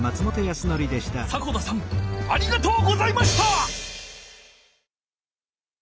迫田さんありがとうございました！